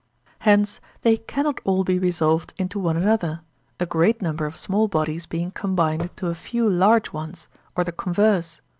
Hence they cannot all be resolved into one another, a great number of small bodies being combined into a few large ones, or the converse.